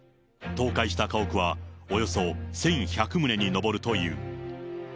倒壊した家屋はおよそ１１００棟に上るという。